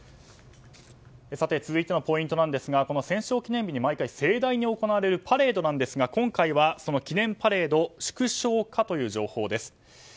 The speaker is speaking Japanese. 続いてのポイントはこの戦勝記念日に、毎回盛大に行われるパレードですが今回は記念日パレード縮小かという情報です。